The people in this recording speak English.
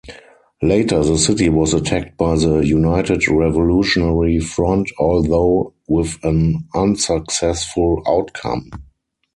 Later the city was attacked by the United Revolutionary Front although with an unsuccessful outcome.